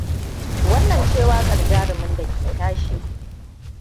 Wannan ce waƙar jarumin da ta ke tashe.